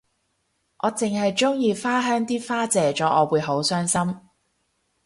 我淨係鍾意花香啲花謝咗我會好傷心